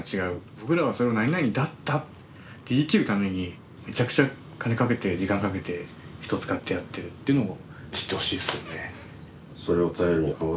僕らはそれを「○○だった」って言い切るためにめちゃくちゃ金かけて時間かけて人を使ってやってるっていうのを知ってほしいですよね。